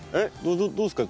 どうですか？